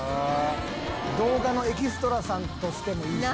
「動画のエキストラさんとしてもいいしね」